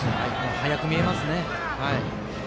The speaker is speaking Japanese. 速く見えますね。